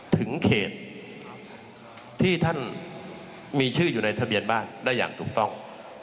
ถึงเขตที่ท่านมีชื่ออยู่ในทะเบียนบ้านได้อย่างถูกต้อง